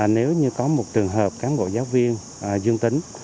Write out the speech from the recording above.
nếu như có một trường hợp cán bộ giáo viên dương tính